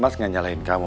mas gak nyalahin kamu